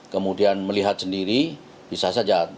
kemudian melihat sendiri bisa saja